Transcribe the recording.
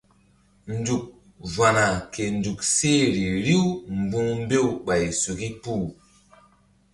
Nzuk va̧ na ke nzuk seh ri riw mbu̧h mbew ɓay suki puh.